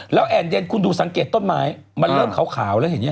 แล้วแอนเดนคุณดูสังเกตต้นไม้มันเริ่มขาวแล้วเห็นอย่างนี้